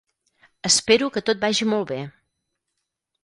Espero que tot vagi molt bé.